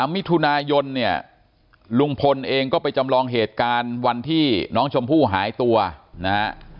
มิถุนายนเนี่ยลุงพลเองก็ไปจำลองเหตุการณ์วันที่น้องชมพู่หายตัวนะฮะ